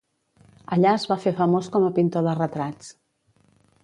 Allà es va fer famós com a pintor de retrats.